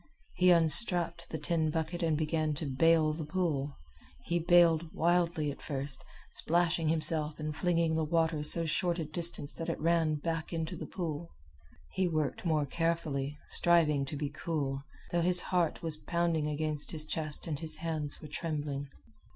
He unstrapped the tin bucket and began to bale the pool. He baled wildly at first, splashing himself and flinging the water so short a distance that it ran back into the pool. He worked more carefully, striving to be cool, though his heart was pounding against his chest and his hands were trembling.